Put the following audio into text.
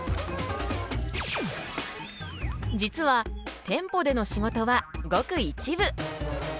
実は店舗での仕事はごく一部。